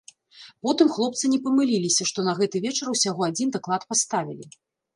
Потым хлопцы не памыліліся, што на гэты вечар усяго адзін даклад паставілі.